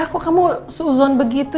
kok kamu seuzon begitu